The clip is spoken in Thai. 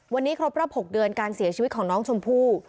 วันนี้ครบรอบ๖เดือนการเสียชีวิตของน้องชมพู่